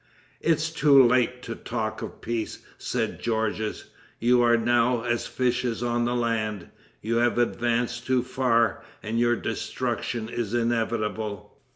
"It is too late to talk of peace," said Georges. "You are now as fishes on the land. You have advanced too far, and your destruction is inevitable."